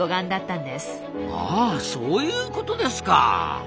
ああそういうことですか。